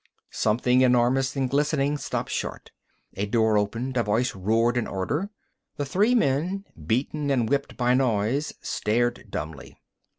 Something enormous and glistening stopped short. A door opened. A voice roared an order. The three men, beaten and whipped by noise, stared dumbly.